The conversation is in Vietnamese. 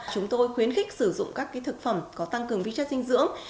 chúng tôi khuyến khích sử dụng các thực phẩm có tăng cường vi chất dinh dưỡng